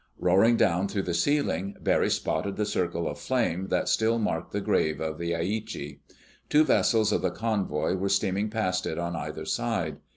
Roaring down through the ceiling, Barry spotted the circle of flame that still marked the grave of the Aichi. Two vessels of the convoy were steaming past it on either side.